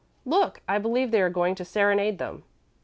Look; I believe they are going to serenade them."